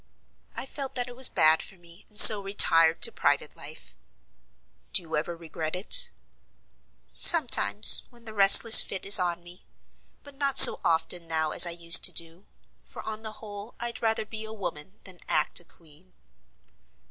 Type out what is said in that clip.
"I felt that it was bad for me, and so retired to private life." "Do you ever regret it?" "Sometimes when the restless fit is on me: but not so often now as I used to do; for on the whole I'd rather be a woman than act a queen."